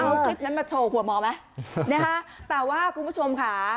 เอาคลิปนั้นมาโชว์หัวหมอไหมนะคะแต่ว่าคุณผู้ชมค่ะ